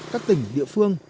các tỉnh địa phương